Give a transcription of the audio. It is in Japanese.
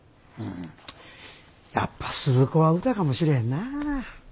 やっぱスズ子は歌かもしれへんな。